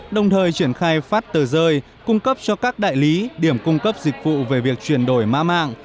đồng thời triển khai phát tờ rơi cung cấp cho các đại lý điểm cung cấp dịch vụ về việc chuyển đổi mã mạng